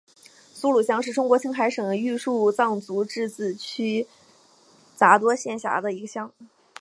苏鲁乡是中国青海省玉树藏族自治州杂多县下辖的一个乡。